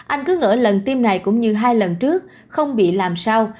anh cứ ngỡ lần tiêm này cũng như hai lần trước không bị làm sau